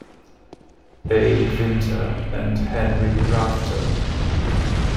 A. Vinter and Henry Rafter.